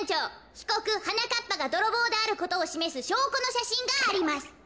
ひこくはなかっぱがどろぼうであることをしめすしょうこのしゃしんがあります。